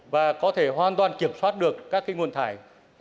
và có thể hoàn toàn kiểm soát được các nguồn thải